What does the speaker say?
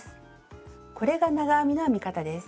これが長編みの編み方です。